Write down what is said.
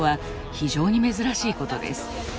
非常に珍しいことです。